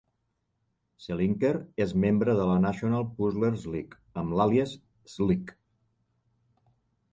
Selinker és membre de la National Puzzlers League amb l'àlies "Slik".